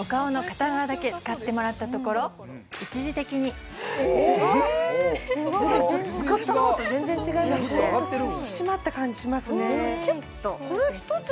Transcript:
お顔の片側だけ使ってもらったところ一時的にえーっ使った方と全然違いますね引き締まった感じしますね